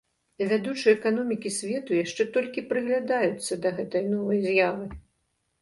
Вядучыя эканомікі свету яшчэ толькі прыглядаюцца да гэтай новай з'явы.